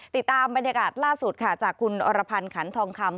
ติดตามบรรยากาศล่าสุดค่ะจากคุณอรพันธ์ขันทองคำ